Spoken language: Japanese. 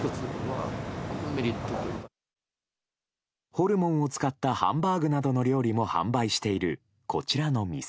ホルモンを使ったハンバーグなどの料理も販売している、こちらの店。